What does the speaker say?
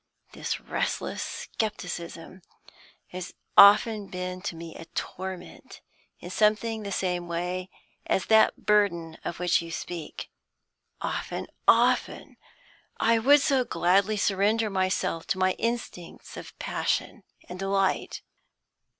This restless scepticism has often been to me a torment in something the same way as that burden of which you speak. Often, often, I would so gladly surrender myself to my instincts of passion and delight.